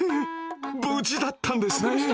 無事だったんですね。